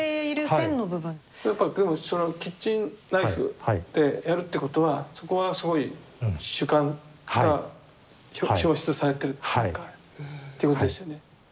やっぱでもそのキッチンナイフでやるってことはそこはすごい主観が表出されてるっていうかっていうことですよね。